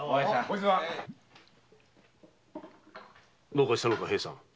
どうかしたのか平さん？